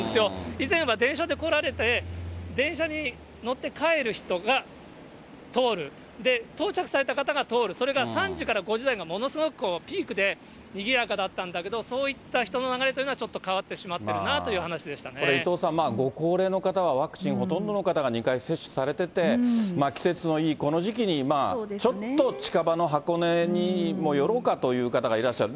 以前は電車で来られて、電車に乗って帰る人が通る、到着された方が通る、それが３時から５時台がものすごくピークで、にぎやかだったんだけど、そういった人の流れというのはちょっと変わってしまってるなといこれ、伊藤さん、ご高齢の方は、ワクチン、ほとんどの方が２回接種されてて、季節のいいこの時期に、ちょっと近場の箱根に寄ろうかという方がいらっしゃる。